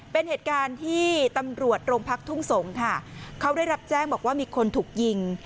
เป็นเหตุการณ์ที่ตำรวจโรงพักทุ่งสงศ์ค่ะเขาได้รับแจ้งบอกว่ามีคนถูกยิง